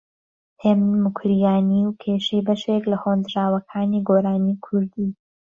هێمن موکریانی و کێشەی بەشیک لە هۆندراوەکانی گۆرانی کوردی